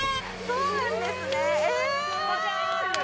そうなんですね。